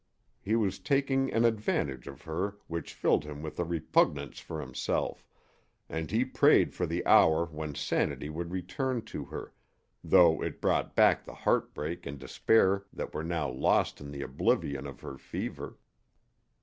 He was taking an advantage of her which filled him with a repugnance for himself, and he prayed for the hour when sanity would return to her, though it brought back the heartbreak and despair that were now lost in the oblivion of her fever.